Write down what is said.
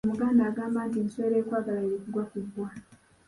Omuganda agamba nti "ensowera ekwagala y'ekugwa ku bbwa".